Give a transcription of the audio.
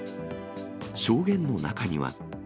証言の中には。